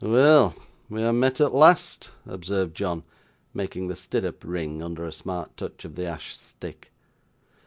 'Weel; we ha' met at last,' observed John, making the stirrup ring under a smart touch of the ash stick.